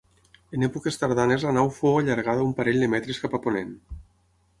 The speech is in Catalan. En èpoques tardanes la nau fou allargada un parell de metres cap a ponent.